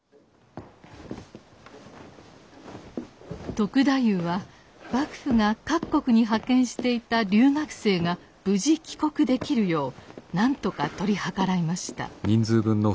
篤太夫は幕府が各国に派遣していた留学生が無事帰国できるようなんとか取り計らいました。